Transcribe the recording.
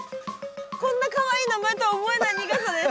こんなかわいい名前とは思えない苦さです。